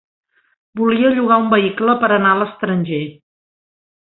Volia llogar un vehicle per anar a l'estranger.